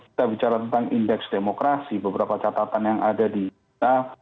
kita bicara tentang indeks demokrasi beberapa catatan yang ada di kita